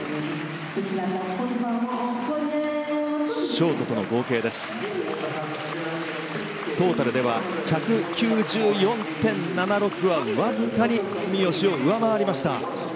ショートとの合計トータル１９４．７６はわずかに住吉を上回りました。